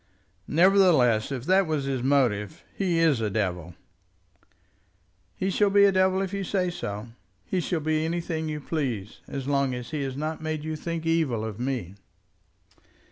"Nevertheless, if that was his motive, he is a devil." "He shall be a devil if you say so. He shall be anything you please, so long as he has not made you think evil of me."